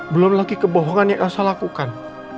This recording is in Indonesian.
belum lagi kebohongan yang saya lakukan